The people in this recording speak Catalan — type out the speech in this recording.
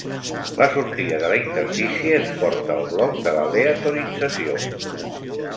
La sortida de la interfície ens porta al bloc d'aleatorització.